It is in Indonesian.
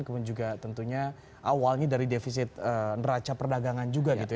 kemudian juga tentunya awalnya dari defisit neraca perdagangan juga gitu ya